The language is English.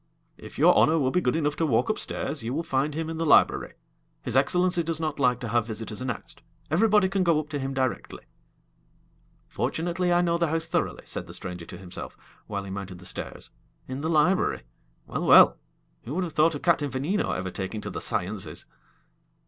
"If your honor will be good enough to walk upstairs, you will find him in the library. His excellency does not like to have visitors announced. Everybody can go up to him directly." "Fortunately I know the house thoroughly," said the stranger to himself, while he mounted the stairs. "In the library! Well, well, who would have thought of Captain Veneno ever taking to the sciences?"